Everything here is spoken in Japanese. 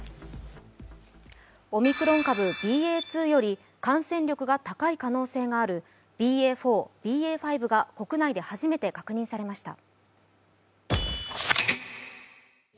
オミクロン株ＢＡ．２より感染力が高い可能性があるＢＡ．４、ＢＡ．５が国内で初めて確認されました。